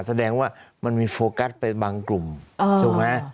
แสดงว่ามันมีโฟกัสไปบางกลุ่มถูกไหม